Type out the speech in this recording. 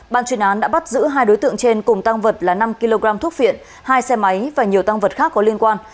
ban chuyên án đã bắt giữ hai đối tượng trên cùng tăng vật là năm kg thuốc viện hai xe máy và nhiều tăng vật khác có liên quan